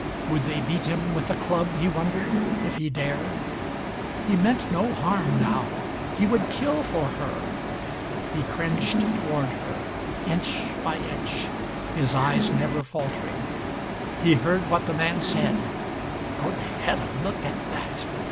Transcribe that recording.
Would they beat him with a club, he wondered, if he dared! He meant no harm now. He would kill for her. He cringed toward her, inch by inch, his eyes never faltering. He heard what the man said "Good heaven! Look at that!"